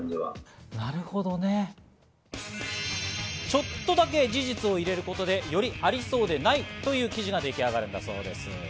ちょっとだけ事実を入れることでよりありそうでないという記事ができ上がるんだそうです。